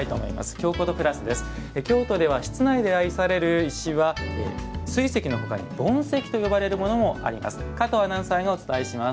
京都では室内で愛される石は水石の他にも盆石といわれるものもあります。